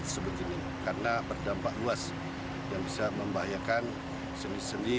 dengan sebegini karena berdampak luas yang bisa membahayakan seni seni